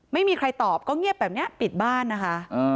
ไม่มีใครตอบก็เงียบแบบนี้ปิดบ้านนะคะ